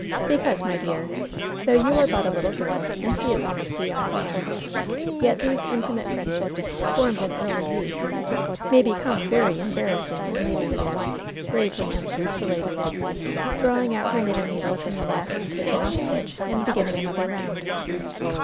"Because, my dear, though you are but a little girl, and he is almost a young man, yet these intimate friend ships, formed in early youth, may become very embar rassing in later years," gravely answered the lady, draw ing out her knitting needle from the last taken off stitck and beginning another round.